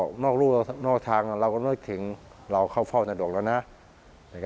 เค้าว่าฮีโร่โอลิมปิก